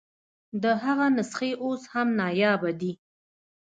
د هغه نسخې اوس هم نایابه دي.